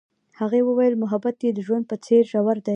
هغې وویل محبت یې د ژوند په څېر ژور دی.